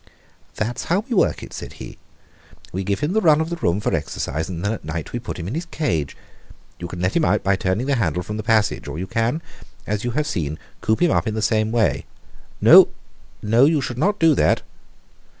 "That's how we work it," said he. "We give him the run of the room for exercise, and then at night we put him in his cage. You can let him out by turning the handle from the passage, or you can, as you have seen, coop him up in the same way. No, no, you should not do that!"